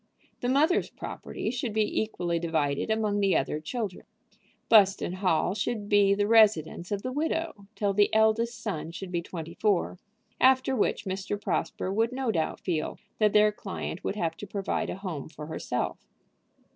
The mother's property should be equally divided among the other children. Buston Hall should be the residence of the widow till the eldest son should be twenty four, after which Mr. Prosper would no doubt feel that their client would have to provide a home for herself.